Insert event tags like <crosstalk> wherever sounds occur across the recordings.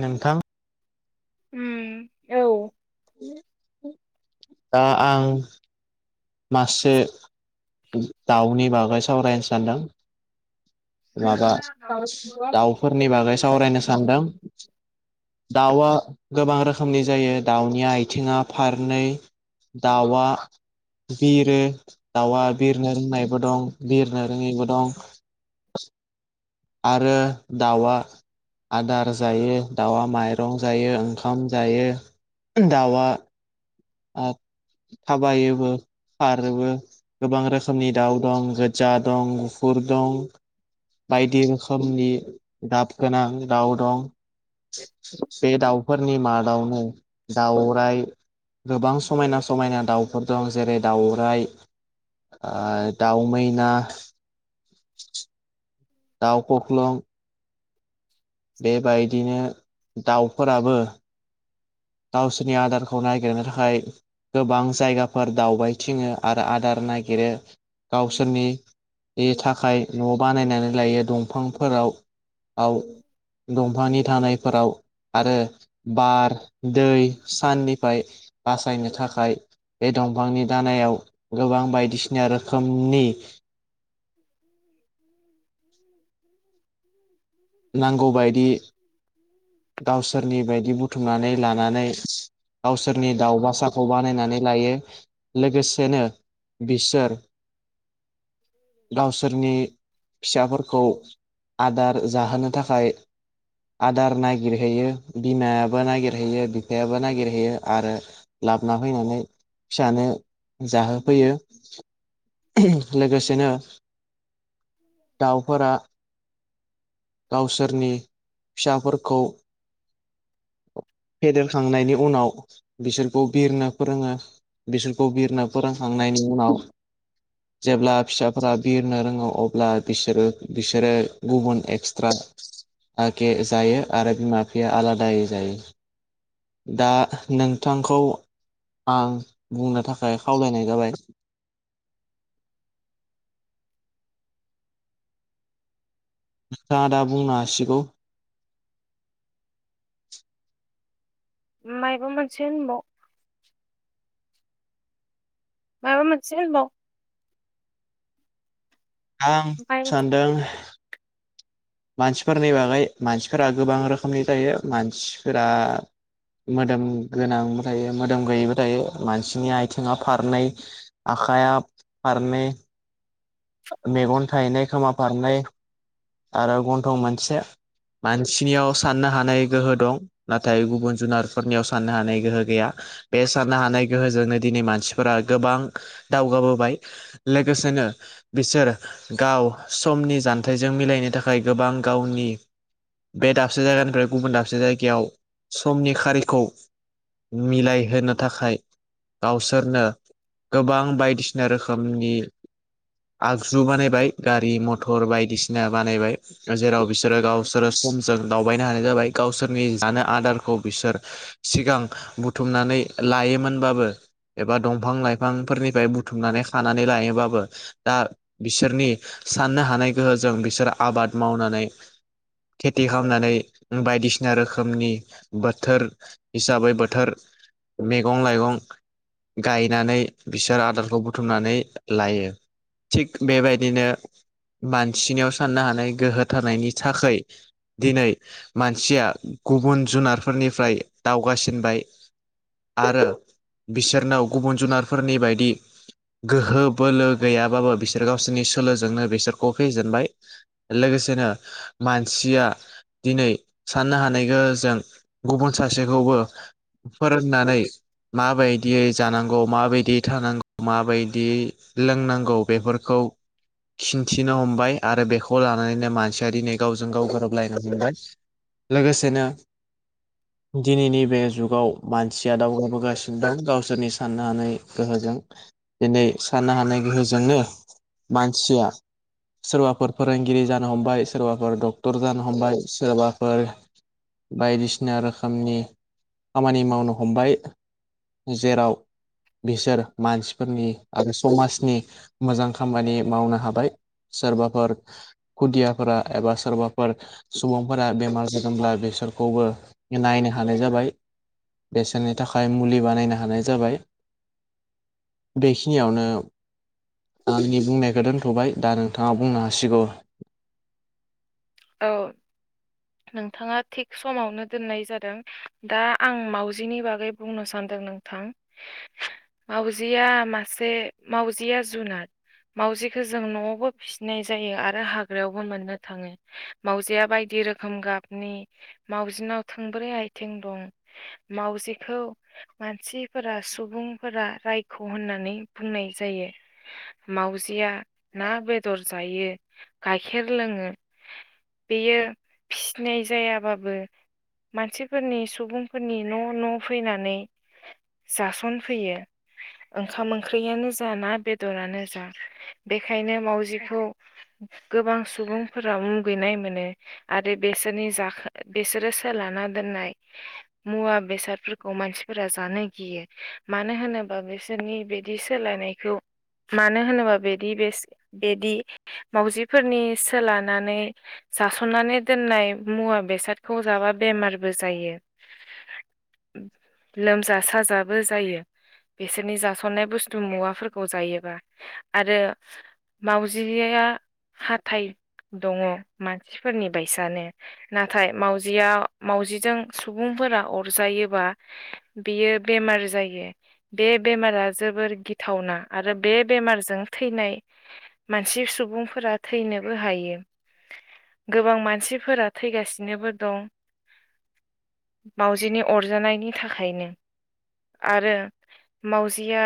नोंथां उम औ दा आं मासे दाउनि बागै सावरायनो सानदों माबा दाउफोरनि बागै सावरायनो सानदों दाउवा गोबां रोखोमनि जायो दाउनि आयथिङा फारनै दाउवा बिरो दाउआ बिरनो रोंनायबो दं बिरनो रोङैबो दं आरो दाउआ आदार जायो दाउआ माइरं जायो ओंखाम जायो दाउआ आ थाबायोबो खारोबो गोबां रोखोमनि दाउ दं गोजा दं गुफुर दं बायदि रोखोमनि दाब गोनां दाउ दं बे दाउफोरनि मादावनो दाउराय गोबां समायना समायना दाउफोर दं जेरै दाउराय आ दाउ मैना दाउ खख्लं बेबायदिनो दाउफोराबो गावसोनि आदारखौ नायागिरनो थाखाय गोबां जायगाफोर दावबायथिङो आरो आदार नागिरो गावसोरनि बेनि थाखाय न बानायनानै लायो दंफांफोराव आव दंफांनि थानायफोराव आरो बार दै साननिफाय बासायनो थाखाय बे दंफांनि दानायाव गोबां बायदिसिना रोखोमनि <inaudible> नांगौबायदि गावसोरनि बायदि बुथुमनानै लानानै गावसोरनि दाउ बासाखौ बानायनानै लायो लोगोसेनो बिसोर गावसोरनि फिसाफोरखौ आदार जाहोनो थाखाय <unintelligible> आदार नागिरहैयो बिमायाबो नागिरहैयो बिफायाबो नागिरहैयो आरो लाबना फैनानै फिसानो जाहोफैयो लोगोसेनो दाउफोरा गावसोरनि फिसाफोरखौ फेदेरखांनायनि उनाव बिसोरखौ बिरनो फोरोङो बिसोरखौ बिरनो फोरोंखांनायनि उनाव जेब्ला फिसाफोरा बिरनो रोङो अब्ला बिसोरो बिसोरो गुबुन एक्सट्रा आके जायो आरो बिमा बिफाया आलादायै जायो दा नोंथांखौ आं बुंनो थाखाय खावलायनाय जाबाय नोंथाङा दा बुंनो हासिगौ माइबा मोनसे होनबाव माबा मोनसे होनबाव आं ओमफाय सान्दों मानसिफोरनि बागै मानसिफोरा गोबां रोखोमनि जायो मानसिफोरा मोदोम गोनांबो थायो मोदोम गैयैबो थायो मानसिनि आइथिङा फारनै आखाइया फारनै मेगन थायनै खोमा फारनै आरो गन्थं मोनसे मानसिनियाव साननो हानाय गोहो दं नाथाय गुबुन जुनारफोरनियाव साननो हानाय गोहो गैया बे साननो हानाय गोहोजोंनो दिनै मानसिफोरा गोबां दावगाबोबाय लोगोसेनो बिसोर गाव समनि जान्थायजों मिलायनो थाखाय थाखाय गोबां गावनि बे दाबसे जायगानिफ्राय गुबुन दाबसे जायगायाव समनि खारिखौ मिलायहोनो थाखाय गावसोरनो गोबां बायदिसिना रोखोमनि आगजु बानायबाय गारि मथर बायदिसिना बानायबाय जेराव बिसोरो गावसोरो समजों दावबायनो हानाय जाबाय गावसोरनि जानो आदारखौ बिसोर सिगां बुथुमनानै लायोमोनबाबो एबा दंफां लाइफांफोरनिफाय बुथुमनानै खानानै लायोबाबो दा बिसोरनि साननो हानाय गोहोजों बिसोर आबाद मावनानै खेथि खालामनानै बायदिसिना रोखोमनि बोथोर हिसाबै बोथोर मेगं लाइगं गायनानै बिसोर आदारखौ बुथुमनानै लायो थिग बेबायदिनो मानसिनाव साननो हानाय गोहो थानायारनि थाखोय दिनै मानसिया गुबुन जुनारफोरनिफ्राय दावगासिनबाय आरो बिसोरनाव गुबुन जुनारफोरनि बायदि गोहो बोलो गैयाबाबो बिसोर गावसोरनि सोलोजोंनो बिसोरखौ फेजेनबाय लोगोसेनो मानसिया दिनै साननो हानाय गोहोजों गुबुन सासेखौबो फोरोंनानै माबायदियै जानांगौ माबायदि थानांगौ माबायदि लोंनांगौ बेफोरखौ खिन्थिनो हमबाय आरो बेखौ लानानैनो मानसिया दिनै गावजों गाव गोरोबलायनो हमबाय। लोगोसेनो दिनैनि बे जुगाव मानसिया दावगाबोगासिनो दं गावसोरनि साननो हानाय गोहोजों दिनै साननो हानाय गोहोजोंनो मानसिया सोरबाफोर फोरोंगिरि जानो हमबाय सोरबाफोर डक्टर जानो हमबाय सोरबाफोर बायदिसिना रोखोमनि खामानि मावनो हमबाय जेराव बिसोर मानसिफोरनि आरो समाजनि मोजां खामानि मावनो हाबाय सोरबाफोर खुदियाफोरा एबा सोरबाफोर सुबुंफोरा बेमार जादोंब्ला बेसोरखौबो नायनो हानाय जाबाय बेसोरनि थाखाय मुलि बानायनो हानाय जाबाय। बेखिनियावनो आंनि बुंनायखौ दोनथ'बाय दा नोंथाङा बुंनो हासिगौ औ नोंथाङा थिग समावनो दोननाय जादों दा आं मावाजिनि बागै बुंनो सान्दों नोंथां। मावजिया मासे मावजिया जुनाद मावजिखौ जों न'आवबो फिसिनाय जायो आरो हाग्रायावबो मोननो थाङो। मावजिया बायदि रोखोम गाबनि मावजिनाव थोंब्रै आथिं दं मावजिखौ मानसिफोरा सुबुंफोरा रायख' होननानै बुंनाय जायो। मावजिया ना बेदर जायो गाइखेर लोङो। बेयो फिसिनाय जायाबाबो मानसिफोरनि सुबुंफोरनि न' न' फैनानै जासनफैयो। ओंखाम ओंख्रियानो जा ना बेदरानो जा बेखायनो मावजिखौ गोबां सुबुंफोरा मुगैनाय मोनो आरो बेसोरनि जाखो बिसोरो सोला दोननाय <inaudible> मुवा बेसादफोरखौ मानसिफोरा जानो गियो मानो होनोबा बिसोरनि बे बिदि सोलायनायखौ मानो होनोबा बेदि बे बेदि मावजिफोरनि सोलानानै जासननानै दोननाय मुवा बेसादखौ जाबा बेमारबो जायो। लोमजा साजाबो जायो। बिसोरनि जासननाय बुस्थु मुवाफोरखौ जायोबा आरो मावजिया हाथाय दङ मानसिफोरनि बायसानो नाथाय मावजिया मावजिजों सुबुंफोरा अरजायोबा बियो बेमार जायो। बे बेमारा जोबोर गिथावना आरो बे बेमारजों थैनाय मानसि सुबुंफोरा थैनो हायो गोबां मानसिफोरा थैगासिनोबो दं। मावजिनि अरजानायनि थाखायनो आरो मावजिया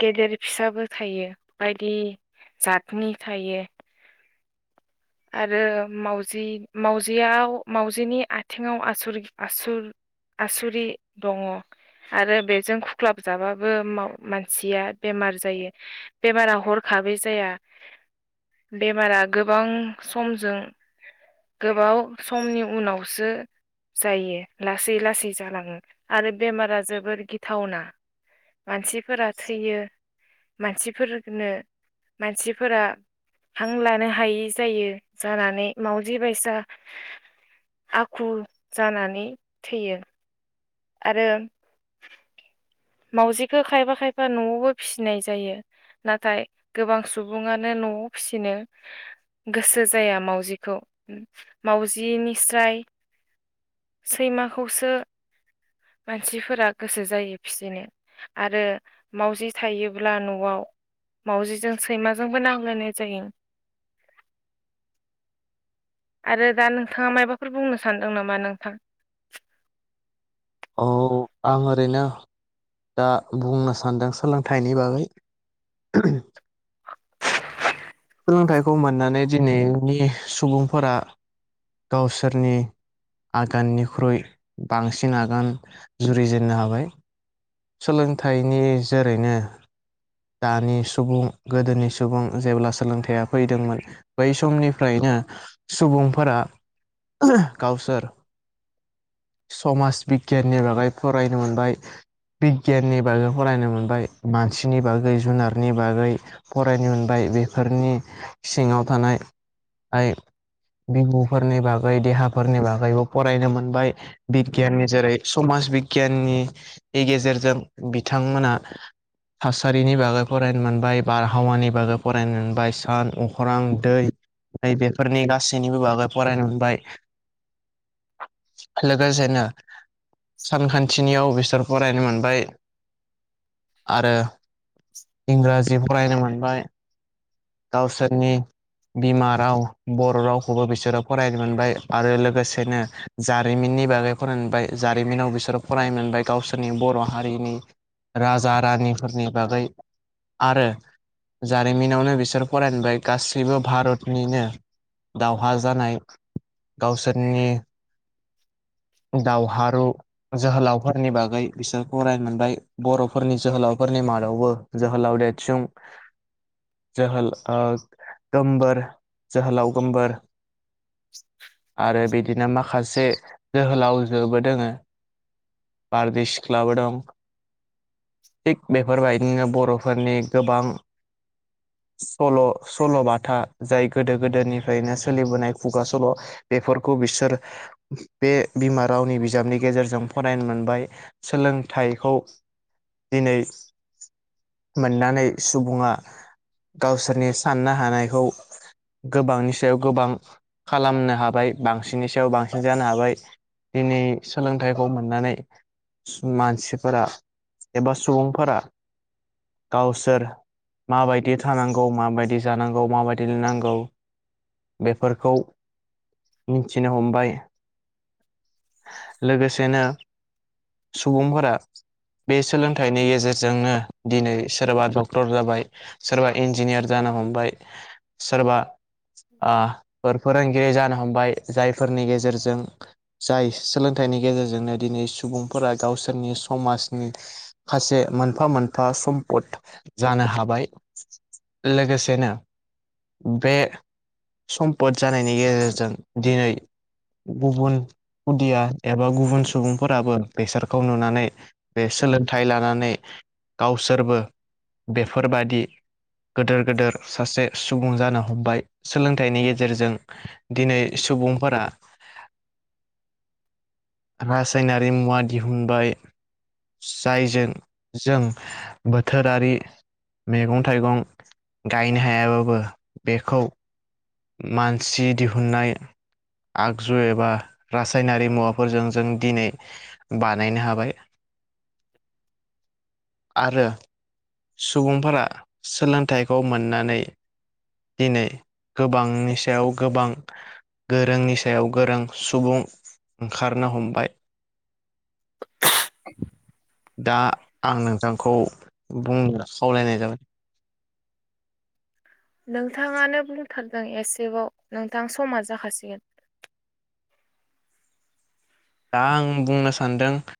गेदेर फिसाबो थायो बायदि जातनि थायो आरो मावजि मावजिआव मावजिनि आथिङाव आसुर आसुर आसुरि दङ। आरो बेजों खुख्लाब जाबाबो मानसिया बेमार जायो। बेमारा हरखाबै जाया <inaudible> बेमारा गोबां समजों गोबाव समनि उनावसो जायो लासै लासै जालाङो आरो बेमारा जोबोर गिथावना मानसिफोरा थैयो मानसिफोरनो मानसिफोरा हां लानो हायै जायो जानानै मावजि बायसा आखु जानानै थैयो। आरो मावजिखौ खायफा खायफा न'आवबो फिसिनाय जायो। नाथाय गोबां सुबुङानो न'आव फिसिनो गोसो जाया मावजिखौ मावजिनिस्राय सैमाखौसो मानसिफोरा गोसो जायो फिसिनो आरो मावजि थायोब्ला न'आव मावजिजों सैमाजोंबो नांलायनाय जायो <unintelligible> आरो दा नोंथाङा मायबाफोर बुंनो सानदों नामा नोंथां औ आं ओरैनो दा बुंनो सानदों सोलोंथाइनि बागै सोलोंथाइखौ मोननानै दिनैनि सुबुंफोरा गावसोरनि आगाननिख्रुइ बांसिन आगान जुरिजेननो हाबाय सोलोंथाइनि जोरैनो दानि सुबुं गोदोनि सुबुं जेब्ला सोलोंथाइया फैदोंमोन बै समनिफ्रायनो सुबुंफोरा गावसार समाज बिगियाननि बागै फरायनो मोनबाय बिगियाननि बागै फरायनो मोनबाय मानसिनि बागै जुनारनि बागै फरायनो मोनबाय बेफोरनि सिङाव थानायइ बिमुफोरनि बागै देहाफोरनि बागैबो फरायनो मोनबाय बिगियाननि जेरै समाज बिगियाननि गेजेरजों बिथांमोना थासारिनि बागै फरायनो मोनबाय बारहावानि बागै फराय फरायनो मोनबाय सान अख्रां दै बेफोरनि गासैनिबो बागै फरायनो मोनबाय लगोन जायना सानखान्थिनियाव बिसोर फरायनो मोनबाय आरो इंराजि फरायनो मोनबाय दावसारनि बिमा राव बर' रावखौबो बिसोरो फरायनो मोनबाय आरो लोगोसेनो जारिमिननि बागै फरायनो मोनबाय जारिमिनाव बिसोर फरायनो मोनबाय गावसोरनि बर' हारिनि राजा रानिफोरनि बागै आरो जारिमिनावनो बिसोर बिसोर फरायबाय गासैबो भारतनिनो दावहा जानाय गावसोरनि दावहारु जोहोलावफोरनि बागै बिसोर फरायनो मोनबाय बर'फोरनि जोहोलावफोरनि मादावबो जोंहोलाव देदसुं जोहोलाव ओ गोमबोर जोहोलाव गोमबोर आरो बिदिनो माखासे जोहोलावजोबो दोङो बारदै सिख्लाबो दं थिग बेफोरबायदिनो बर'फोरनि गोबां सल' सल' बाथा जाय गोदो गोदायनिफ्रायनो सोलिबोनाय खुगा सल' बेफोरखौ बिसोर बे बिमा रावनि बिजाबनि गेजेरजों फरायनो मोनबाय सोलोंथाइखौ दिनै मोननानै सुबुङा गावसोरनि साननो हानायखौ गोबांनि सायाव गोबां खालामनो हाबाय बांसिननि सायाव बांसिन जानो हाबाय दिनै सोलोंथाइखौ मोननानै मानसिफोरा एबा सुबुंफोरा गावसोर माबायदि थानांगौ माबायदि जानांगौ माबायदि लुनांगौ बेफोरखौ मिथिनो हमबाय लोगोसेनो सुबुंफोरा बे सोलोंथाइनि गेजेरजोंनो दिनै सोरबा डक्टर जाबाय सोरबा इन्जिनियार जानो हमबाय सोरबा फोर फोरोंगिरि जानो हमबाय जायफोरनि गेजेरजों जों जाय सोलोंथाइनि गेजेरजोंनो दिनै सुबुंफोरा गावसोरनि समाजनि माखासे मोनफा मोनफा सम्पद जानो हाबाय लोगो लोगोसे ना बे सम्पद जानायनि गेजेरजों दिनै गुबुन खुदिया एबा गुबुन सुबुंफोराबो बेसादखौ नुनानै बे सोलोंथाइ लानानै गावसोरबो बेफोरबादि गेदोर गेदेर सासे सुबुं जानो हमबाय सोलोंथाइनि गेजेरजों दिनै सुबुंफोरा रासायनारि मुवा दिहुनबाय जायजों जों बोथोरारि मैगं थाइगं गायनो हायाबाबो बेखौ मानसि दिहुननाय आगजु एबा रासायनारि मुवा फोरजों जों दिनै बानायनो हाबाय आरो सुबुंफोरा सोलोंथाइखौ मोननानै दिनै गोबांनि सायाव गोबां गोरोंनि सायाव गोरों सुबुं ओंखारनो हमबाय दा आं नोंथांखौ बुंनो खावलायनाय जाबाय नोंथाङानो बुंथारदों एसेबाव नोंथां समा जाखासिगोन दा आं बुंनो सानदों